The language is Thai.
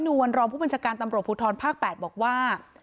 ย้อยนวลรอบผู้บัญชาการตำรวจพูดท้อนภาค๘บอกว่า